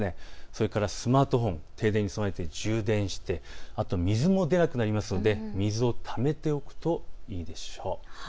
それからスマートフォン、停電に備えて充電をして、水も出なくなりますので水をためておくといいでしょう。